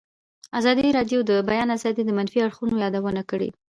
ازادي راډیو د د بیان آزادي د منفي اړخونو یادونه کړې.